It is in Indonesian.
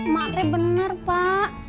mak teh bener pak